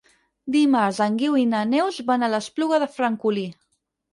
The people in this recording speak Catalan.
Dimarts en Guiu i na Neus van a l'Espluga de Francolí.